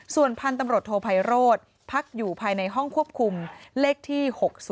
ส่วนพันธุ์ตำรวจโทไพโรธพักอยู่ภายในห้องควบคุมเลขที่๖๐